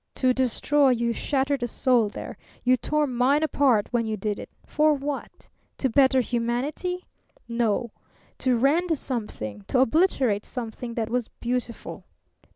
"To destroy. You shattered a soul there. You tore mine apart when you did it. For what? To better humanity? No; to rend something, to obliterate something that was beautiful.